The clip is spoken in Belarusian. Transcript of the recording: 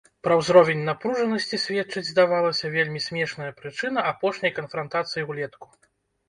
Пра ўзровень напружанасці сведчыць, здавалася, вельмі смешная прычына апошняй канфрантацыі ўлетку.